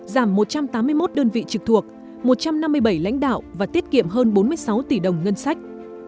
giảm một trăm tám mươi một đơn vị trực thuộc một trăm năm mươi bảy lãnh đạo và tiết kiệm hơn bốn mươi sáu tỷ đồng ngân sách